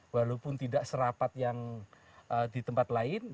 walaupun tidak serapat yang di tempat lain